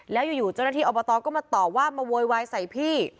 แล้วอยู่เจ้าหน้าที่อบตก็มาตอบว่ามาโวยวายใส่พี่